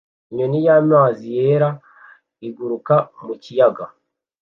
Inyoni y'amazi yera iguruka mu kiyaga